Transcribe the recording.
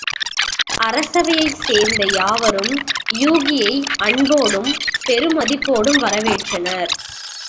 அரசவையைச் சேர்ந்த யாவரும் யூகியை அன்போடும் பெருமதிப்போடும் வரவேற்றனர்.